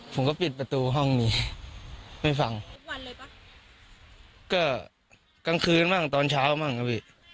ผมก็ปิดประตูห้องนี้ไม่ฟังทุกวันเลยป่ะก็กลางคืนบ้างตอนเช้าบ้างครับพี่